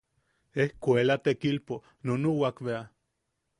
Ejkuela tekilpo nunuwak bea.